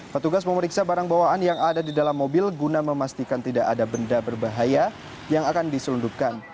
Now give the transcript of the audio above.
petugas memeriksa barang bawaan yang ada di dalam mobil guna memastikan tidak ada benda berbahaya yang akan diselundupkan